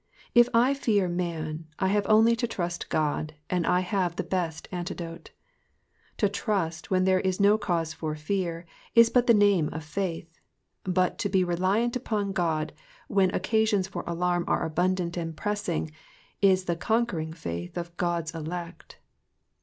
If I fear man I have only to trust God, and I have the best antidote. To trust when there is no cause for fear, is but the name of faith, but to be reliant upon God when occasions for alarm are abundant and pressing, is the conquering faith of God's elect.